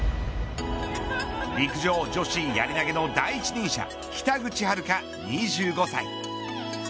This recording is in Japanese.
陸上女子やり投げの第一人者北口榛花、２５歳。